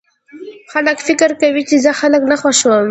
خلک فکر کوي چې زه خلک نه خوښوم